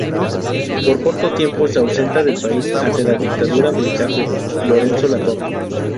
Por corto tiempo se ausenta del país ante la dictadura militar de Lorenzo Latorre.